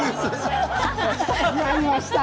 やりました！